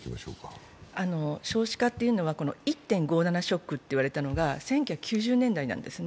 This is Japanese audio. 少子化というのは１．５７ショックと言われたのが１９９０年代なんですね。